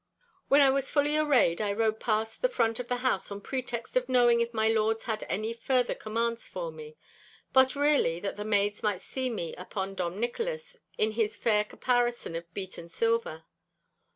When I was fully arrayed, I rode past the front of the house on pretext of knowing if my lords had any further commands for me, but really that the maids might see me upon Dom Nicholas in his fair caparison of beaten silver.